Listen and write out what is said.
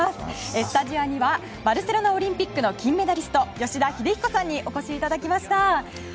スタジオにはバルセロナオリンピックの金メダリスト吉田秀彦さんにお越しいただきました。